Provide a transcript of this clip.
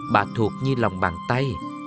bà thuộc như lòng bàn tay